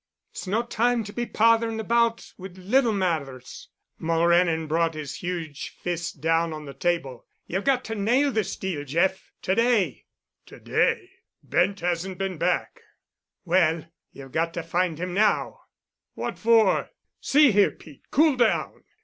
"It's no time to be potherin' about wid little matthers." Mulrennan brought his huge fist down on the table. "You've got to nail this deal, Jeff, to day." "To day? Bent hasn't been back." "Well, you've got to find him—now." "What for? See here, Pete, cool down.